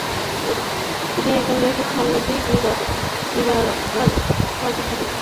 তিনি একজন লেখক, সাংবাদিক এবং লিবারাল পার্টির সদস্য ছিলেন ।